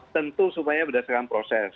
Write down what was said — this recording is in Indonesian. tentu supaya berdasarkan proses